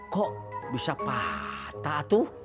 kok bisa patah tuh